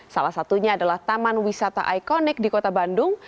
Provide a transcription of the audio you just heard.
salah satunya adalah taman wisata ikonik di kota bandung